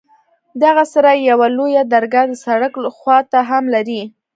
دغه سراى يوه لويه درګاه د سړک خوا ته هم لري.